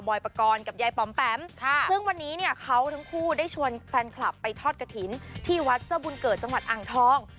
ปกรณ์กับยายปอมแปมซึ่งวันนี้เนี่ยเขาทั้งคู่ได้ชวนแฟนคลับไปทอดกระถิ่นที่วัดเจ้าบุญเกิดจังหวัดอ่างทอง